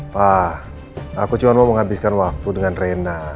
wah aku cuma mau menghabiskan waktu dengan rena